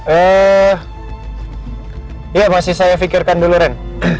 eh ya masih saya pikirkan dulu ren